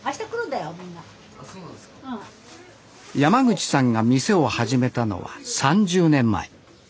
山口さんが店を始めたのは３０年前。